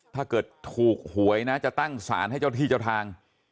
ถ้าเกิดถูกหวยนะจะตั้งสารให้เจ้าที่เจ้าทาง